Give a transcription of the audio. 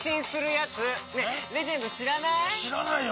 しらないよ